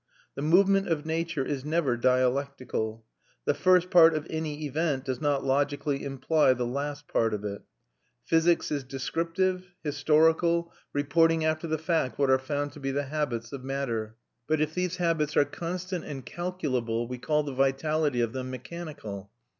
The movement of nature is never dialectical; the first part of any event does not logically imply the last part of it. Physics is descriptive, historical, reporting after the fact what are found to be the habits of matter. But if these habits are constant and calculable we call the vitality of them mechanical.